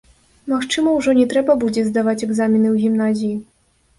Магчыма, ужо не трэба будзе здаваць экзамены ў гімназіі.